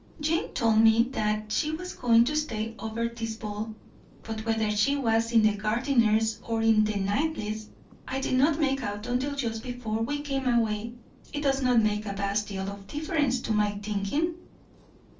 "Jane told me that she was going to stay over this ball, but whether she was with the Gardiners or the Knightleys I did not make out until just before we came away. It does not make a vast deal of difference, to my thinking."